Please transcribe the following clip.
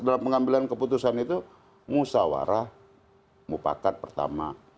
dalam pengambilan keputusan itu musawarah mufakat pertama